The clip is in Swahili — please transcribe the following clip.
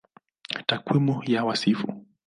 Takwimu ya Wasifu